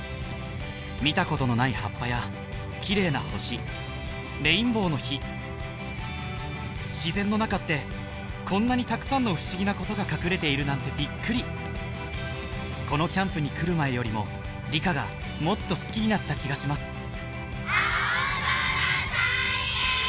見たことのない葉っぱや綺麗な星レインボーの火自然の中ってこんなにたくさんの不思議なことが隠れているなんてびっくりこのキャンプに来る前よりも理科がもっと好きになった気がします